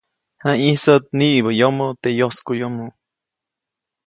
Jayĩsät niʼibä yomoʼ teʼ yoskuʼyomo.